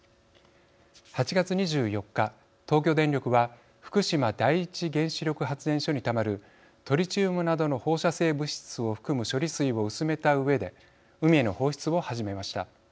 ８月２４日、東京電力は福島第一原子力発電所にたまるトリチウムなどの放射性物質を含む処理水を薄めたうえで海への放出を始めました。